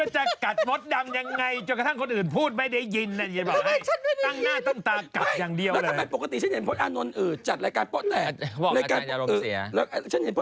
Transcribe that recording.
ทายพูดมาออกจากมาพูดชาลูแลชะพทธิ์พูด